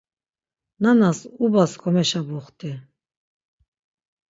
Nanas ubas komeşebuxti.